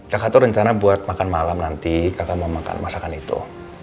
jakarta itu rencana buat makan malam nanti kakak mau makan masakan itu